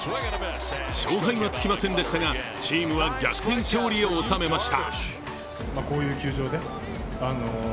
勝敗はつきませんでしたがチームは逆転勝利を収めました。